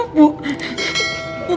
botol kecap bu